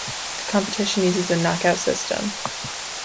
The competition uses a knock-out system.